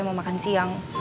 mau makan siang